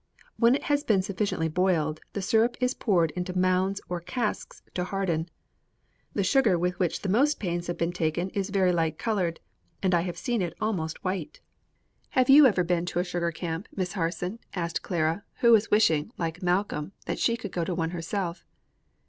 When it has been sufficiently boiled, the syrup is poured into moulds or casks to harden.' The sugar with which the most pains have been taken is very light colored, and I have seen it almost white." "Have you ever been to a sugar camp, Miss Harson?" asked Clara, who was wishing, like Malcolm, that she could go to one herself.